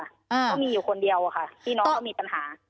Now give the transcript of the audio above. พี่น้องก็มีอยู่คนเดียวอะค่ะพี่น้องก็มีปัญหา